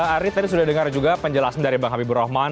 ari tadi sudah dengar juga penjelasan dari bang habibur rahman